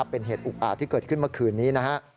เป็นเหตุอุปะที่เกิดขึ้นเมื่อคืนนี้